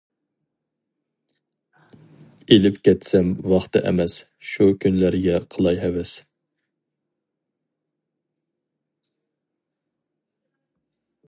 ئېلىپ كەتسەم ۋاقتى ئەمەس، شۇ كۈنلەرگە قىلاي ھەۋەس.